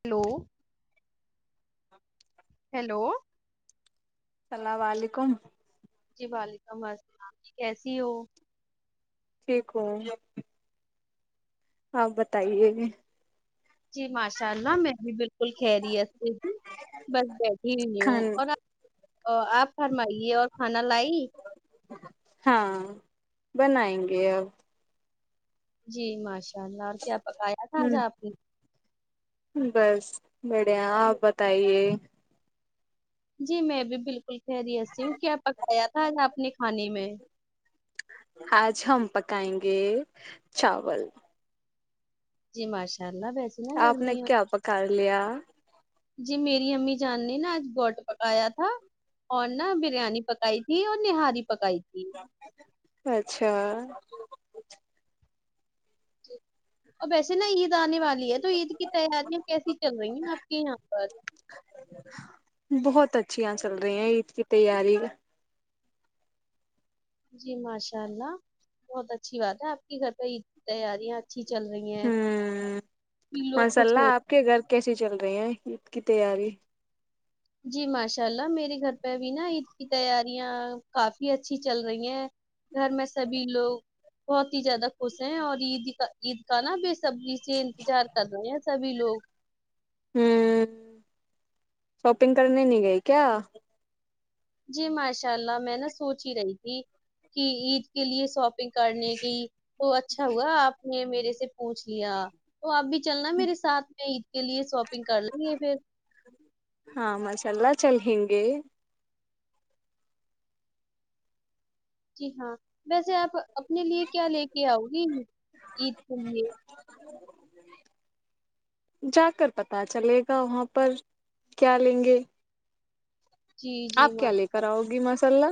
Hello hello السلام علیکم جی وعلیکم السلام جی کیسی ہو ٹھیک ہو آپ بتائیے جی ماشاء اللہ میں بھی بالکل خیریت سے ہوں بس بیٹھی ہوئی کھان ہوں اور آپ آپ فرمائیے اور کھانا لائی ہاں بنائیں گے اب جی ماشاء اللہ اور کیا پکایا تھا آج ہ آپ نے بس بڑیا آپ بتائیے جی میں بھی بالکل خیریت سےہوں کیا پکایا تھا اج آپ نے کھانے میں آج ہم پکائیں گے چاول جی ماشاء اللہ وس آپ نے کیا پکا لیا جی میری امی جان نے نا آج گوٹ پکایا تھا اور نا بریانی پکائی تھی اور نہاری پکائی تھی اچھا جی اب ویسے نا عید آنے والی ہے تو عید کی تیاریاں کیسی چل رہی ہیں آپ کے یہاں پر بہت اچھی یہ چل رہی ہیں عید کی تیاری کا جی ماشاء اللہ بہت اچھی بات ہے آپ کے گھر پہ عید کی تیاریاں اچھی چل رہی ہیں ہ لوگ ماشاء خوش اللہ ہو اپ کے گھر کیسے چل رہے ہیں عید کی تیاری جی ماشاء اللہ میرے گھر پہ ا بھی نا عید کی تیاریاں کافی اچھی چل رہی ہیں گھر میں سبھی لوگ بہت ہی زیادہ خوش ہیں اور عید کا عید کا نا بے صبری سے انتظار کر رہے ہیں سبھی لوگ ہوں شاپنگ کرنے نہیں گئے کیا جی ماشاء اللہ میں نا سوچ ہی رہی تھی کہ عید کے لیے شاپنگ کرنے کی تو اچھا ہوا آپ نے میرے سے پوچھ لیا تو آپ بھی چلنا میرے ساتھ میں عید کے لیے شاپنگ کر لیں گے پھر ہاں ماشاء اللہ چلے گے جی ہاں ویسے آپ اپنے لیے کیا لے کے آؤ گی عید کے لیے جا کر پتا چلے گا وہاں پر کیا لیں گے جی جی آپ ماں کیا لے کر آؤ گی ماشاءاللہ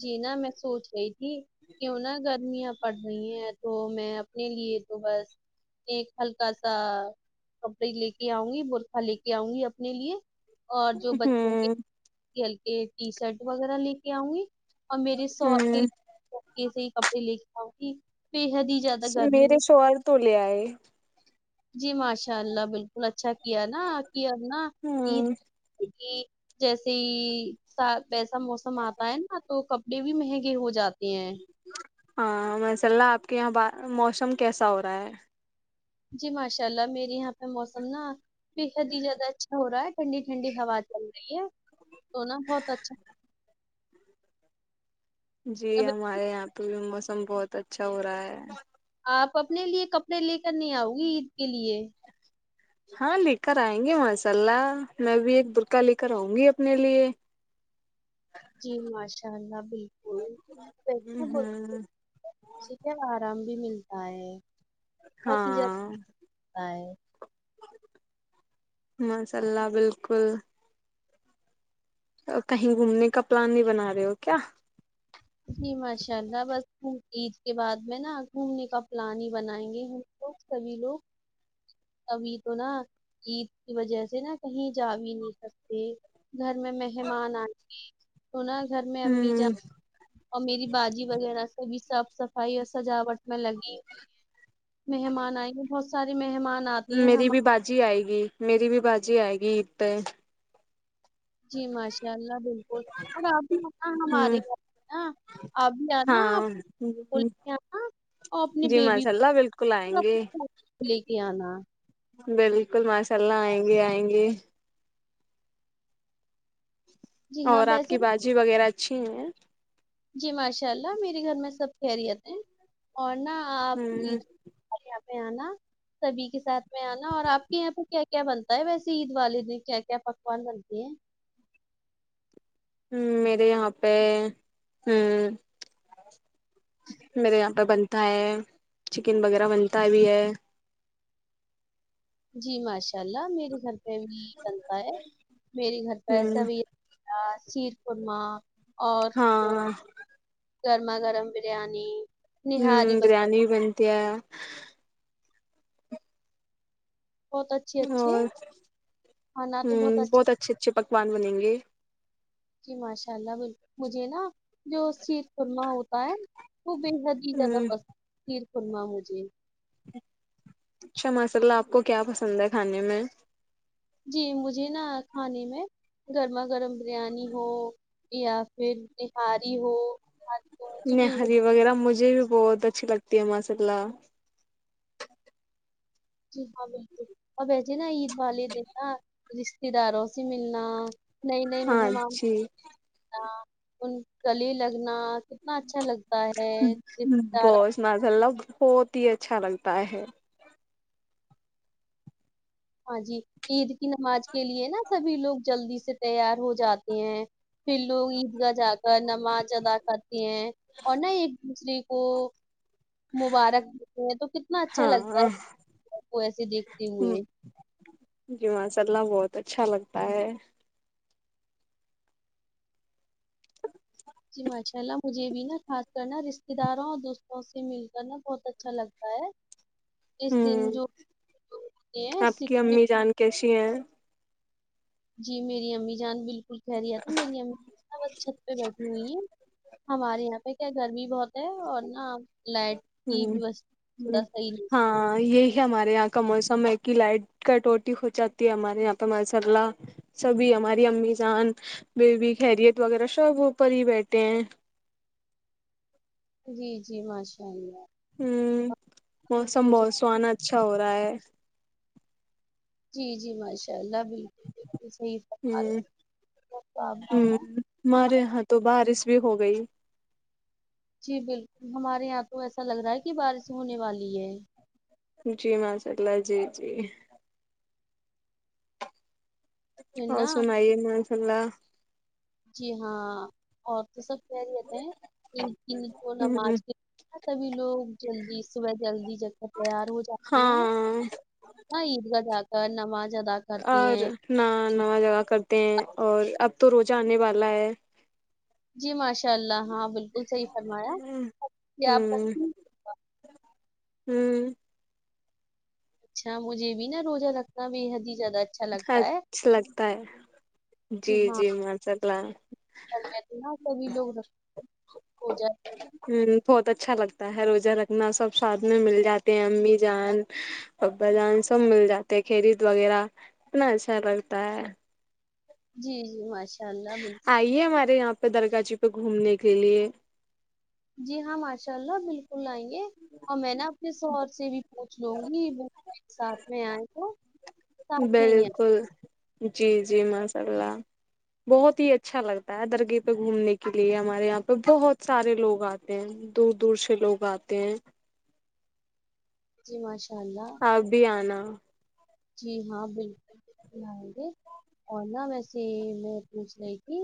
جی نا میں سوچ رہی تھی کیوں نہ گرمیاں پڑ رہی ہیں تو میں اپنے لیے تو بس ایک ہلکا سا کپڑے لے کے آؤں گی بورخا لے کے آؤں گی اپنے لیے اور جو بچوں کے ہوں ہلک ٹی شرٹ وغیرہ لے کے آؤں گی اور میرے شوہر کے ہوں ہلکے سے ہی کپڑے لے کے آؤں گی بے حد ہی زیادہ گرمی ہے میرے شوہر تو لیے آئے جی ماشاء اللہ بالکل اچھا کیا نا کیا نا عید ہوں جیسے ہی ویسا موسم آتا ہے نا تو کپ ڑے بھی مہنگے ہو جاتے ہیں ہاں ماشاءاللہ آپ کے یہاں موسم کیسا ہو رہا ہے جی ماشاء اللہ میرے یہاں پہ موسم نا بےحد ہی زیادہ اچھا ہو رہا ہے ٹھنڈی ٹھنڈی ہوا چل رہی ہے تو نا بہت اچھا جی اب ہمارے یہاں پہ بھی موسم بہت اچھا ہو رہا ہے آپ اپنے لیے کپڑے لے کر نہیں آؤ گی عید کے لیے ہاں لے کر آئیں گے ماشا اللہ میں بھی ایک برکع لے کر آؤں گی اپنے لیے جی ماشاء اللہ بالکل کیسا بولتے ہ اسیے آرام بھی ملتا ہے بہت ہی زیادہ تا ہے ماشا اللہ بالکل کہیں گھومنے کا پلان نہیں بنا رہے ہو کیا جی ماشاء اللہ بس عید کے بعد میں نا گھومنے کا پلان ہی بنائیں گے ہم لو گ سبھی لوگ ابھی تو نا عید کی وجہ سے نا کہیں جا بھی نہیں سکتے گھر میں مہمان آنے سنا گھر میں امی ہ جان اور میری باجی وغیرہ سے بھی صاف صفائی اور سجاوٹ میں لگی مہمان آئیں گے بہت سارے مہمان آتے ہیں میری ہم بھی باجی آئے گی میری بھی باجی بھی آئے گی عید پے جی ماشاء اللہ بالکل اور اب بھی ہ ہمارے گھر پے نا ابھی آنا آپ ہاں کو لے کے آنا اور اپنی جی بیبی ماشاء اللہ بالکل کو آئیں اور گے اپنے بھائی کو لے کے آنا بالکل ماشاء اللہ آئیں گے آئیں گے جی ہاں اور آپ ویسے کی باجی وغیرہ اچھی ہیں جی ماشاء اللہ میرے گھر میں سب خیریت ہیں اور نہ آپ یے ہ ارو یہا پے آنا سبھی کے ساتھ میں آنا اور آپ کے یہاں پر کیا کیا بنتا ہے ویسے عید والے دن کیا کیا پکوان بنتے ہیں ہ میرے یہاں پے ہوں میرے یہاں پہ بنتا ہے چکن وغیرہ بنتا بھی ہے جی ماشاء اللہ میرے گھر پہ بھی یہ بنتا ہے میرے گھر پہ ایسا ہ بھی سیر قورما اور جو ہاں گرما گرم بریانی ہوں نہاری وغیرہ بریانی بنتیی ہے بہت اچھی اچھی اور ہ ہانا تو بہت اچھا اچھے اچھے پکوان بنیں گے جی ماشاء اللہ بالکل مجھے نا جو سیر خور ما ہوتا ہے وہ بےحد ہی زیادہ ہ پسنید سیر خور ما مجھے اچھا ماشاء اللہ آپ کو کیا پسند ہے کھانے میں جی مجھے نا کھانے میں گرما گرم بریانی ہو یا پھر نہہاری ہو نہاری تو مجھے بےحد نہاری وغیرہ مجھے بھی بہت اچھی لگتی ہے ماشاء اللہ جی ہاں بالکل اور وسے نا عید والے دن نا رشتے داروں سے ملنا نہیں نہیں ہاں مہمان جی ان کے لگنا کتنا اچھا لگتا ہےار ماشا اللہ بہت ہی اچھا لگتا ہے ہاں جی عید کی نماز کے لیے نا سبھی لوگ جلدی سے تیار ہو جاتے ہیں پھر لوگ عید گاہ جا کر نماز ادا کرتے ہیں اور نہ ایک دوسرے کو مبارک دتے ہیں تو کتنا اچھا لگتا ہاں ہے سب کو ایسے دیکھتے ہوئے جی ماشا اللہ بہت اچھا لگتا ہے جی ماشا اللہ مجھے بھی نا خاص کرناا رشتے داروں اور دوستوں سے مل کر نا بہت اچھا لگتا ہے آے ہوں جو ہوتے ہیں آپ سکھ کی بھی امی جان کیسی ہیں جی میری امی جان بالکل کہریت میری امی ن بس چھت پہ بیٹھی ہوئی ہے ہمارے یہاں پہ کیا گرمی بہت ہے اور نا لائٹ ہ کی ویوستھا تھوڑا ہ صحیح نہیں ہاں یہی ہمارے یہاں کا موسم ہے کہ لائٹ کٹوٹی ہو جاتی ہے ہمارے یہاں پہ ماشاء اللہ سبھی ہماری امی جان بیبی خیریت وغیرہ سبوپر ہی بیٹھے ہیں جی جی ماشاء اللہ ہوں موسم تو بہت سہانا اچھا ہو رہا ہے جی جی ماشاء اللہ بالکل بالل صحیح ہ فرما رہے ہیں آپ ہ آپ ہمارے یہاں تو بارش بھی ہو گئی جی بالکل ہمارے یہاں تو ایسا لگ رہا ہے کہ بارش ہونے والی ہے جی ماشاء اللہ جی جی پھر نا اورسنائے ماشاللہ جی ہاں اور تو سب کہہ رہ تھ ہیں کو ہ نماز کے سبھی لوگ جلدی صبح جلدی کر تیار ہو جات ہاں ہاں عید گاہ جا کر نماز ادا کرتے اور ہیں ن نو جگہ کرتے ہیں اور اب تو روزہ آنے والا ہے جی ماشاء اللہ ہاں بالکل صحیح فرمایا کیا آپ کا ہوں ہوں اچھا مجھے بھی نہا روزہ لگتا بے حد ہی زیادہ اچھا ہا لگتا ہے چھا لگتا ہے جی ہاں رہتے نا کبھی لوگ پوجا ہ بہت اچھا لگتا ہے روزہ رکھنا سب ساتھ میں مل جاتے ہیں امی جان ببا جان سب مل جاتے ہیں کھیرید وغیرہ اتنا اچھا لگتا ہے جی جی ماش آئیے ہمارے یہاں پہ درگاہ جی پہ گھومنے کے لیے جی ہاں ماشاء اللہ بالکل آئیں گے اور میں نا اپنے سوہر سے بھی سوچ لوں گی وہ ساتھ میں آئے تو ساتھ میں ہی آئے بالکل جی جی ماشاء اللہ بہت ہی اچھا لگتا ہے درگہ پہ گھومنے کے لیے ہمارے یہاں پہ بہت سارے لوگ آتے ہیں دور دور سے لوگ آتے ہیں جی ماشاء اللہ اب بھی آنا جی ہاں بالکل بی آئیں گے اور نہ ویسے میں پوچھ رہی تھی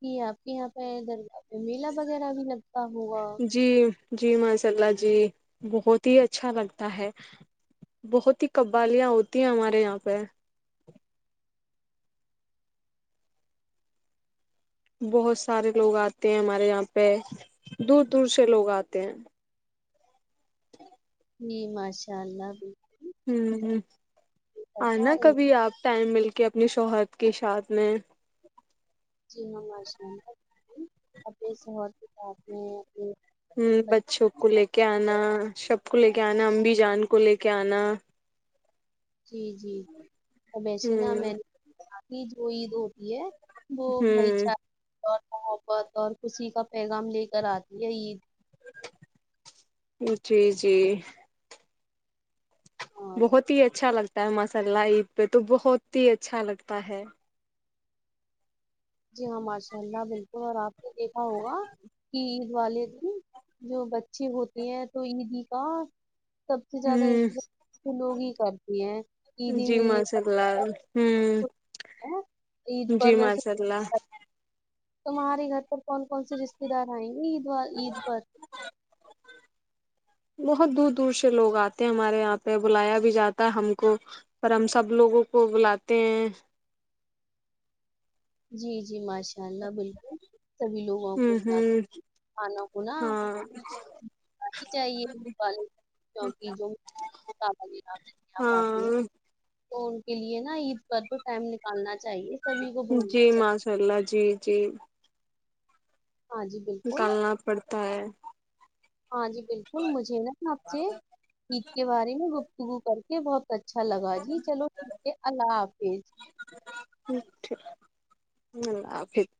کہ آپ کے یہاں پہ ادھر میلہ وغیرہ بھی لگتا ہوگا جی جی ماشاء اللہ جی بہت ہی اچھا لگتا ہے بہت ہی قوالیاں ہوتی ہیں ہمارے یہاں پہ بہت سارے لوگ آتے ہیں ہمارے یہاں پہ دور دور سے لوگ آتے ہیں نی ماشاء اللہ بھی ہ ہ آنا بتا رہی ہوں۔ کبھی آپ ٹائم مل کے اپنے شوہرد کے ساتھ میں جی ہشنے شہ کتاب میں [inaudible] ہ بچے بچوں کو لے کے آنا سب کو لے کے آنا امبی جان کو لے کے آنا جی جی ویسے نا ہ میں نےنی جو عید ہوتی ہے وہ بھائی ہ چارے اور محبت اور خوشی کا پیغام لے کر آتی ہے عید جی جی ہاں بہت ہی اچھا لگتا ہے ماشاء اللہ عید پہ تو بہت ہی اچھا لگتا ہے جی ہاں ماشاء اللہ بالکل اور آپ نے دیکھا ہوگا کہ والے جو بچے ہوتے ہیں تو عیدی کا سب سے زیادہ ہوں انتظار تو لوگ ہی کرتے ہیں عیدی ملنے کا سب ہ خوش ہے عید جی پر ویسے مشاء اللہ تمہارے گھر پر کون کون سے رشتے دار آئیں گے عید عید پر بہت دور دور سے لوگ آتے ہیں ہمارے یہاں پہ بلایا بھی جاتا ہے ہم کو پر ہم سب لوگوں کو بلاتے ہیں جی جی ماشاء اللہ بالکل سبھی لوگوں کو ہوں ہوں آنا ہونا ہاں چاہیےک جو آ آتی ہے [unintelligible] ہاں تو ان کے لیے نا عید پر تو ٹائم نکالنا چاہیے سبھی کو بلانا جی چاہیے ماشاء اللہ جی جی ہاں جی بالکل نکالنا پڑتا ہے ہاں جی بالکل مجھے نا نا آپ سے عید کے بارے میں گفتگو کر کے بہت اچا اچھا لگا جی چلو ٹھیک ہے اللہ حافظ چٹھ اللہ حفھر [unintelligible]